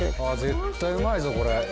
絶対うまいぞこれ。